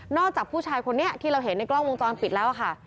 จากผู้ชายคนนี้ที่เราเห็นในกล้องวงจรปิดแล้วค่ะ